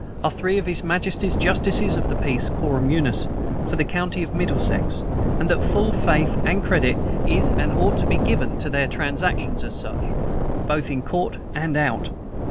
are three of his majesty's justices of the peace (quorum unus) for the county of Middlesex; and that full faith and credit is and ought to be given to their transactions as such, both in court and out.